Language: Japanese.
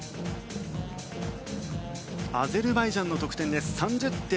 アゼルバイジャンの得点３０．７５０。